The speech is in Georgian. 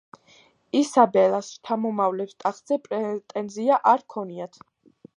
ისაბელას შთამომავლებს ტახტზე პრეტენზია არ ქონიათ.